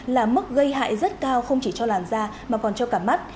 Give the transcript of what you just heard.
là mức gây hại rất cao không chỉ cho làn da mà còn cho cả mắt